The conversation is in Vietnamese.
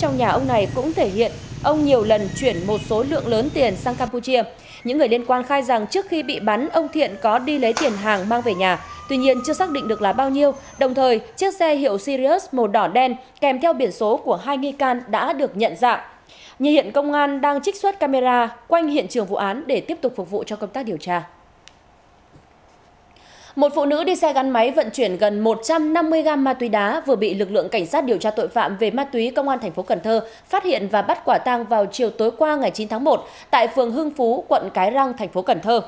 từ đi xe gắn máy vận chuyển gần một trăm năm mươi gram ma túy đá vừa bị lực lượng cảnh sát điều tra tội phạm về ma túy công an tp cn phát hiện và bắt quả tăng vào chiều tối qua ngày chín tháng một tại phường hưng phú quận cái răng tp cn